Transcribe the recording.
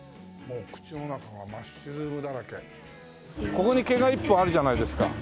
ここに毛が一本あるじゃないですか。